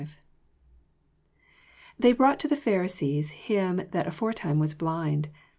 13 They bronght to the Pharisees him that aforetime was blind.